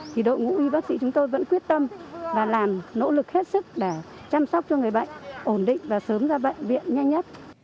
thì đội ngũ y bác sĩ chúng tôi vẫn quyết tâm và làm nỗ lực hết sức để chăm sóc cho người bệnh ổn định và sớm ra bệnh viện nhanh nhất